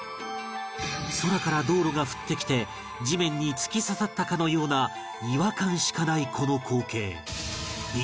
空から道路が降ってきて地面に突き刺さったかのような違和感しかないこの光景